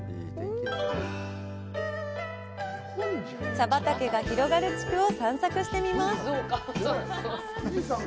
茶畑が広がる地区を散策してみます。